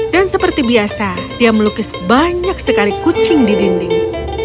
dan seperti biasa dia melukis banyak sekali kucing di dinding